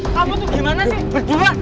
kamu tuh gimana sih